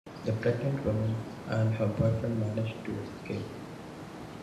The pregnant woman and her boyfriend managed to escape.